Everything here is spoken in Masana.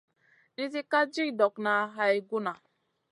Nizi ka ci ɗokŋa hay guna.